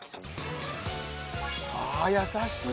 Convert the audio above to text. ああ優しいね！